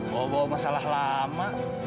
bawa bawa masalah lama